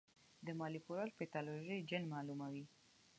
د مولېکولر پیتالوژي جین معلوموي.